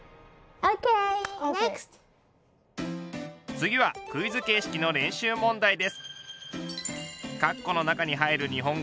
次はクイズ形式の練習問題です。